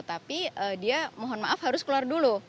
tapi dia mohon maaf harus keluar dulu